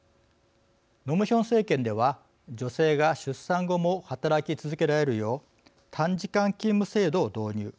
ノ・ムヒョン政権では女性が出産後も働き続けられるよう短時間勤務制度を導入。